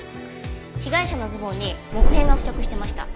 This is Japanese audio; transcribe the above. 被害者のズボンに木片が付着していました。